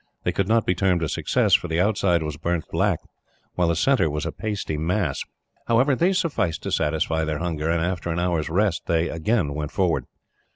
They could not be termed a success, for the outside was burned black, while the centre was a pasty mass. However, they sufficed to satisfy their hunger, and after an hour's rest, they again went forward.